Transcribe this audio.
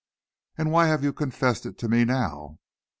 "And why have you confessed it to me now?"